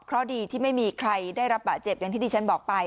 เพราะดีที่ไม่มีใครได้รับบาดเจ็บอย่างที่ดิฉันบอกไป